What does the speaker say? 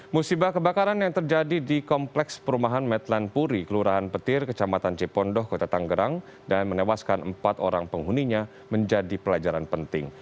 musibah kebakaran yang terjadi di kompleks perumahan medlan puri kelurahan petir kecamatan jepondoh kota tanggerang dan menewaskan empat orang penghuninya menjadi pelajaran penting